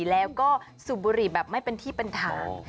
แล้วก็สูบบุหรี่แบบไม่เป็นที่เป็นทาง